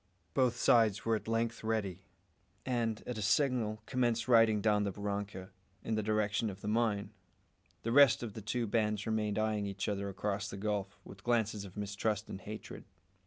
Both sides were at length ready, and, at a signal, commenced riding down the barranca, in the direction of the mine. The rest of the two bands remained eyeing each other across the gulf, with glances of mistrust and hatred.